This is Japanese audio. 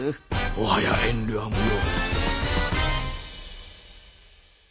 もはや遠慮は無用。